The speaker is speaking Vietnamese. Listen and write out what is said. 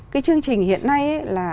cái chương trình hiện nay